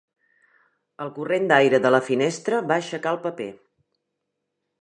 El corrent d'aire de la finestra va aixecar el paper.